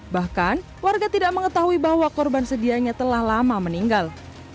bahkan warga tidak mengetahui bahwa korban sedianya telah lama meninggal